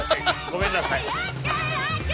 ごめんなさい。